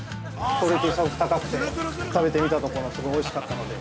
◆クオリティーすごく高くて、食べてみたところすごいおいしかったので。